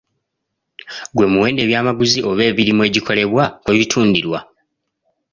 Gwe muwendo ebyamaguzi oba emirimo egikolebwa kwe bitundirwa.